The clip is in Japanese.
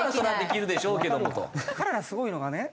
彼らすごいのがね